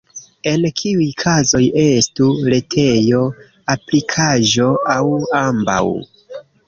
En kiuj kazoj estu retejo, aplikaĵo, aŭ ambaŭ?